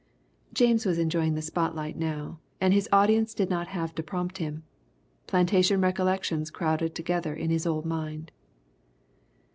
James was enjoying the spotlight now, and his audience did not have to prompt him. Plantation recollections crowded together in his old mind.